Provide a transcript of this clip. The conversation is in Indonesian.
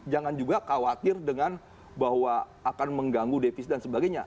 jangan juga khawatir dengan bahwa akan mengganggu defisit dan sebagainya